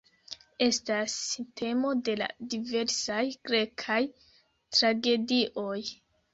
Estas temo de la diversaj grekaj tragedioj.